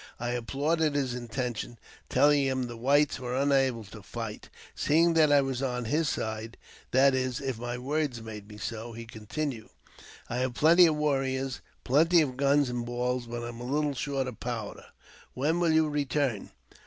I applauded his intention, telling him the whites were unable to fight. Seeing that I was on his side — that is, if my words made me so — he continued, I have plenty of warriors, and plenty of guns and balls, but I am a little short of powder. When will you return